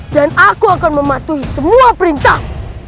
dan aku akan mematuhi semua perintah